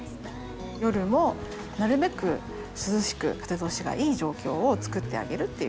夜もなるべく涼しく風通しがいい状況を作ってあげるっていうことですね。